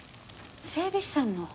整備士さんの。